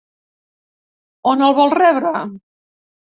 On el vol rebre?